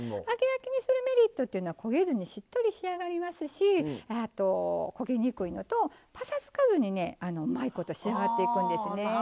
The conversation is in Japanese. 揚げ焼きにするメリットというのは焦げずにしっとり仕上がりますし焦げにくいのとパサつかずにねうまいこと仕上がっていくんですね。